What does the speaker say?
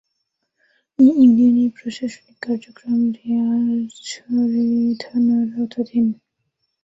এ ইউনিয়নের প্রশাসনিক কার্যক্রম রোয়াংছড়ি থানার আওতাধীন।